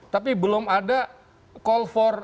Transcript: tapi belum ada call for